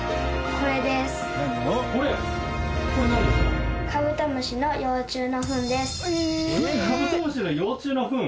これカブトムシの幼虫のフン？